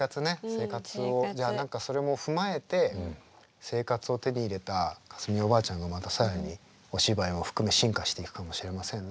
生活をじゃあ何かそれも踏まえて生活を手に入れた架純おばあちゃんがまた更にお芝居を含め進化していくかもしれませんね。